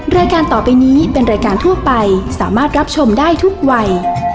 รายการต่อไปนี้เป็นรายการทั่วไปสามารถรับชมได้ทุกวัย